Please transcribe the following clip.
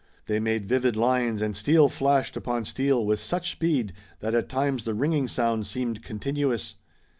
They made vivid lines, and steel flashed upon steel with such speed that at times the ringing sound seemed continuous.